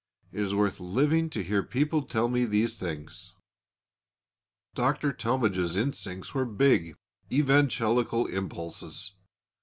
It is worth living to hear people tell me these things." Dr. Talmage's instincts were big, evangelical impulses.